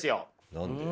何で？